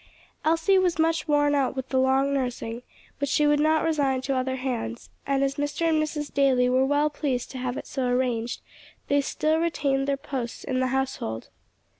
Elsie was much worn out with the long nursing, which she would not resign to other hands, and, as Mr. and Mrs. Daly were well pleased to have it so arranged, they still retained their posts in the household.